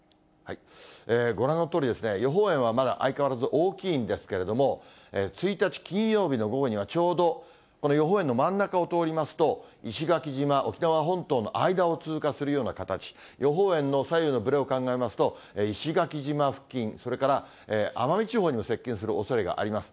ご覧のとおり、予報円はまだ相変わらず大きいんですけれども、１日金曜日の午後には、ちょうどこの予報円の真ん中を通りますと、石垣島、沖縄本島の間を通過するような形、予報円の左右のぶれを考えますと、石垣島付近、それから奄美地方にも接近するおそれがあります。